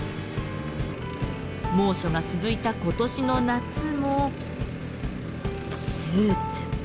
猛暑が続いた今年の夏もスーツ。